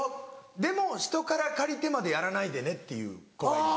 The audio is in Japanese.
でもひとから借りてまでやらないでね」って言う子がいる。